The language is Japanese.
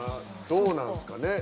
どうなんですかね。